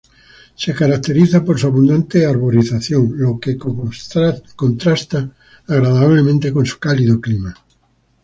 Se caracteriza por su abundante arborización, lo que contrasta agradablemente con su cálido clima.